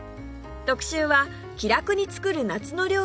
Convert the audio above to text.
特集は「気楽につくる夏の料理」